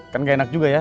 kan gak enak juga ya